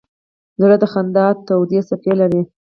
زړه د خندا تودې څپې لري.